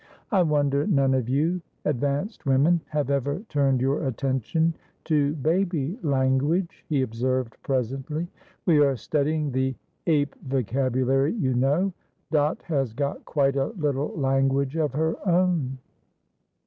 "I wonder none of you advanced women have ever turned your attention to baby language," he observed presently; "we are studying the ape vocabulary, you know. Dot has got quite a little language of her own.